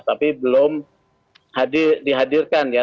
tapi belum dihadirkan ya